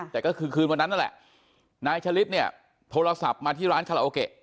แต่ก็คือคืนวันนั้นนั่นแหละนายชะลิดเนี่ยโทรศัพท์มาที่ร้านคาราโอเกะ